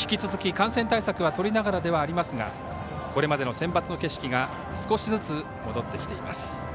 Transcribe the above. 引き続き感染対策はとりながらではありますがこれまでのセンバツの景色が少しずつ戻ってきています。